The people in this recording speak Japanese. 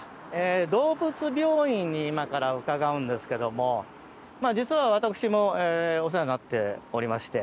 動物病院に今から伺うんですけれども実は私もお世話になっておりまして。